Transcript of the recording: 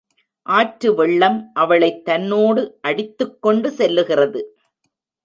ஆற்று வெள்ளம் அவளைத் தன்னோடு அடித்துக் கொண்டு செல்லுகிறது.